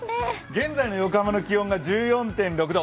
現在の横浜の気温は１４．６度。